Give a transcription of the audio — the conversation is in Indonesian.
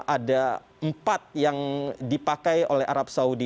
ada empat yang dipakai oleh arab saudi